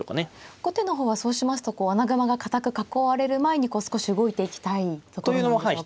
後手の方はそうしますと穴熊が堅く囲われる前に少し動いていきたいところなんでしょうか。